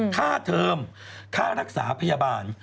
เทอมค่ารักษาพยาบาล